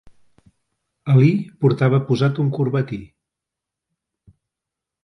Ali portava posat un corbatí.